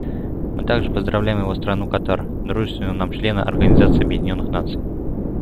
Мы также поздравляем его страну, Катар, дружественного нам члена Организации Объединенных Наций.